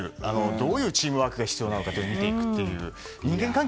どういうチームワークが必要なのかを見ていくという。